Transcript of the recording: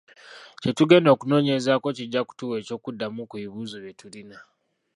Kye tugenda okunoonyerezaako kijja kutuwa eky'okuddamu ku bibuuzo bye tulina.